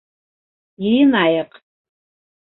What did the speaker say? Йыйынайыҡ.